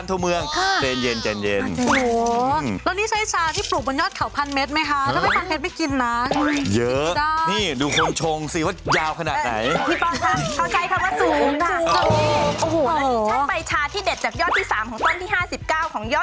แล้วฉันไปชาร์จที่เด็ดจากยอดที่๓ของต้นที่๕๙ของยอดอ่อนที่๕มั้ยคะ